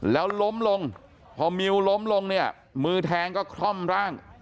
แล้วล้มลงพอมิวล้มลงมือแทงก็คร่ำร่าง